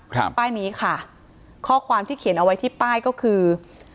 ครับป้ายนี้ค่ะข้อความที่เขียนเอาไว้ที่ป้ายก็คือ